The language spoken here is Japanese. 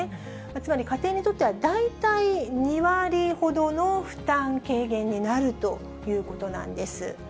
つまり、家庭にとっては大体２割ほどの負担軽減になるということなんです。